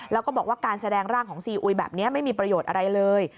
แล้วก็บอกว่าการแสดงร่างของซีอุยแบบนี้ไม่มีประโยชน์อะไรเลย